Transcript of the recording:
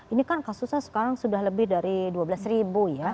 ini kan kasusnya sekarang sudah lebih dari dua belas ribu ya